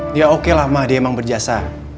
dia oke lah mah dia emang berjasa